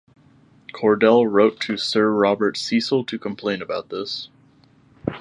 Cordell wrote to Sir Robert Cecil to complain about this.